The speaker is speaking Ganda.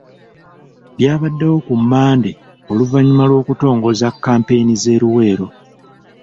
Byabadewo ku Mmande oluvannyuma lw'okutongoza kampeyini ze e Luweero.